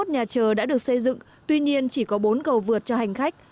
hai mươi nhà chờ đã được xây dựng tuy nhiên chỉ có bốn cầu vượt cho hành khách